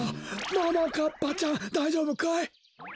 ももかっぱちゃんだいじょうぶかい？